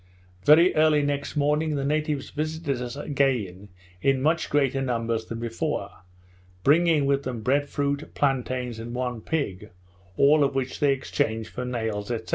Very early next morning, the natives visited us again in much greater numbers than before; bringing with them bread fruit, plantains, and one pig, all of which they exchanged for nails, &c.